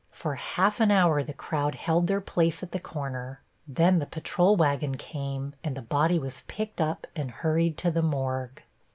For half an hour the crowd held their place at the corner, then the patrol wagon came and the body was picked up and hurried to the morgue.